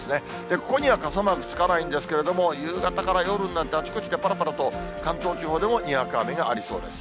ここには傘マークつかないんですけれども、夕方から夜になって、あちこちでぱらぱらと関東地方でもにわか雨がありそうです。